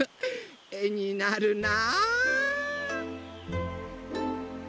えになるな。